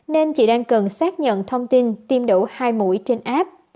nên chị đang cần xác nhận thông tin tiêm đủ hai mũi trên app